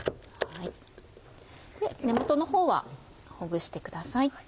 根元のほうはほぐしてください。